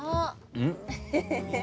うん？